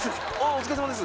お疲れさまです！